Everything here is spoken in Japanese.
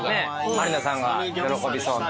満里奈さんが喜びそうな。